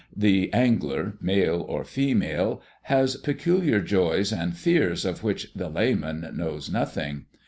The angler, male or female, has peculiar joys and fears of which the layman knows nothing."